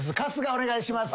お願いします。